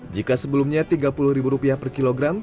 jika sebelumnya rp tiga puluh per kilogram